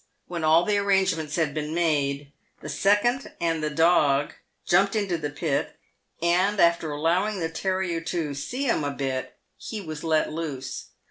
When all the arrangements had been made, the second and the dog jumped into the pit, and after allowing the terrier to " see 'em a bit," he was let loose.